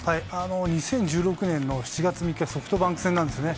２０１６年の７月３日、ソフトバンク戦なんですね。